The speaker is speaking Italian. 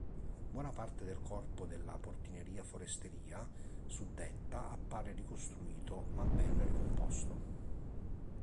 Buona parte del corpo della portineria-foresteria suddetta appare ricostruito, ma ben ricomposto.